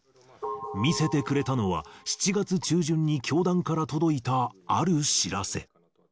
見せてくれたのは、７月中旬に教団から届いたある知らせ。